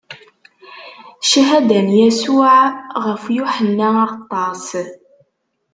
Cchada n Yasuɛ ɣef Yuḥenna Aɣeṭṭaṣ.